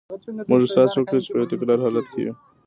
موږ احساس وکړ چې په یو تکراري حالت کې یو